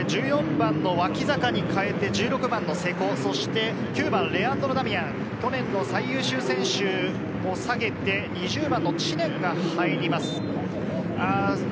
１４番の脇坂に代えて１６番の瀬古、そして９番レアンドロ・ダミアン、去年の最優秀選手を下げて２０番の知念が入ります。